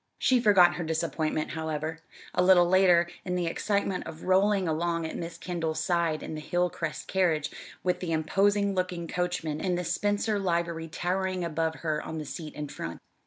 She forgot her disappointment, however, a little later, in the excitement of rolling along at Miss Kendall's side in the Hilcrest carriage, with the imposing looking coachman in the Spencer livery towering above her on the seat in front.